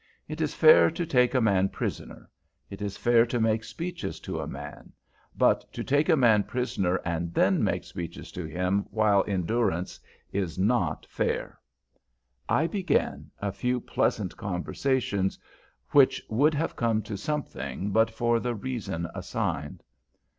It is fair to take a man prisoner. It is fair to make speeches to a man. But to take a man prisoner and then make speeches to him while in durance is not fair. I began a few pleasant conversations, which would have come to something but for the reason assigned.